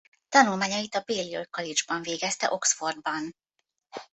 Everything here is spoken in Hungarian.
Tanulmányait a Balliol College-ban végezte Oxfordban.